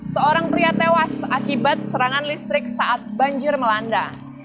seorang pria tewas akibat serangan listrik saat banjir melanda